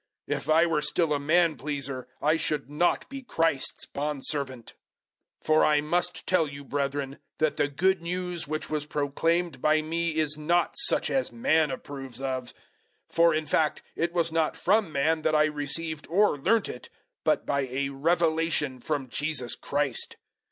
If I were still a man pleaser, I should not be Christ's bondservant. 001:011 For I must tell you, brethren, that the Good News which was proclaimed by me is not such as man approves of. 001:012 For, in fact, it was not from man that I received or learnt it, but by a revelation from Jesus Christ.